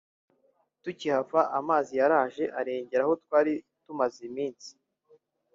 tukihava amazi yaraje arengera aho twari tumaze iminsi